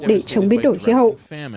để chống biến đổi khí hậu